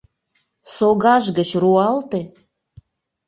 Согаж гыч руалте!